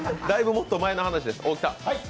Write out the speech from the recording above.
だいぶもっと前の話です。